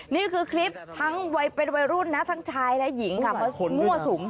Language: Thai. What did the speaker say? นี่คือคลิปทั้งวัยเป็นวัยรุ่นนะทั้งชายและหญิงค่ะมามั่วสุม